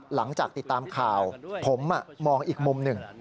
หลังจากติดตามข่าวผมมองอีกมุมหนึ่ง